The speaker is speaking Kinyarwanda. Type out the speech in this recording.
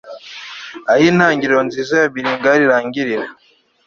Aho intangiriro nziza ya bilingale irangirira